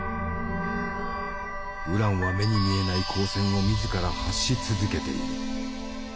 ウランは目に見えない光線を自ら発し続けている。